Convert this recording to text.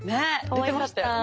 出てましたよね。